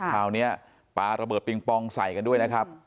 คราวนี้ปลาระเบิดปิงปองใส่กันด้วยนะครับ